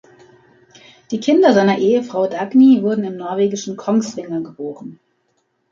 Die Kinder seiner Ehefrau "Dagny" wurden im norwegischen Kongsvinger geboren.